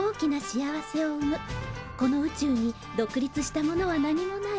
この宇宙に独立したものは何もない。